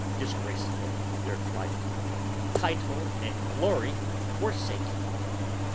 Disgraceful their Flight! Title and glory forsaking!